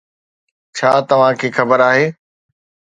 ڇا توهان کي خبر آهي